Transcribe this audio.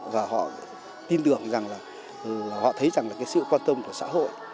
và họ tin tưởng rằng là họ thấy rằng là cái sự quan tâm của xã hội